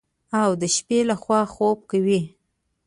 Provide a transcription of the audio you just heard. او د شپې لخوا خوب کوي.